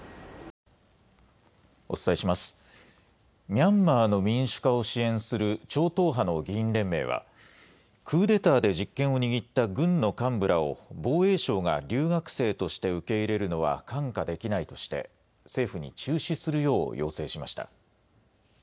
ミャンマーの民主化を支援する超党派の議員連盟は、クーデターで実権を握った軍の幹部らを防衛省が留学生として受け入れるのは看過できないとして、政府に中止するよう要請しました。